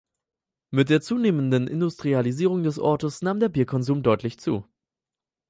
Mit der zunehmenden Industrialisierung des Ortes nahm der Bierkonsum deutlich zu.